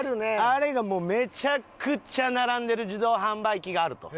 あれがもうめちゃくちゃ並んでる自動販売機があると。